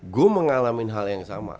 gue mengalami hal yang sama